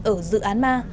ở dự án ma